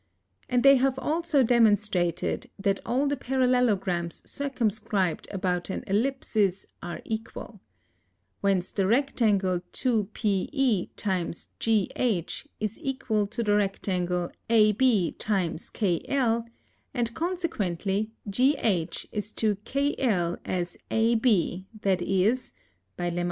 And they have also demonstrated that all the Parallelogramms circumscribed about an Ellipsis are equall. Whence the rectangle 2 PEÃGH is equal to the rectangle ABÃKL & consequently GH is to KL as AB that is (by Lem.